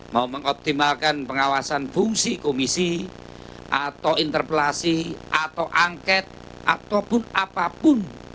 mau mengoptimalkan pengawasan fungsi komisi atau interpelasi atau angket ataupun apapun